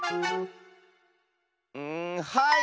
うんはい！